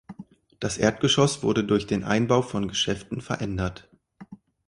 Das Erdgeschoss wurde durch den Einbau von Geschäften verändert.